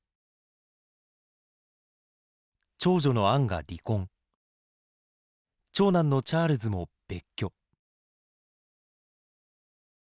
長女のアンが離婚長男のチャールズも別居。